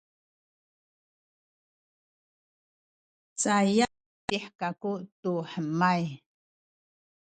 cayay kaydih kaku tu hemay